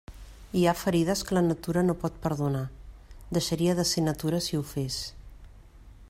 Hi ha ferides que la natura no pot perdonar; deixaria de ser natura si ho fes.